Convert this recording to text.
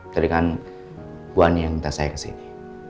tadi kan bu ani yang minta saya ke sini